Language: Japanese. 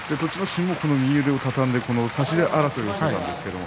心も右腕を畳んで差し手争いをしました。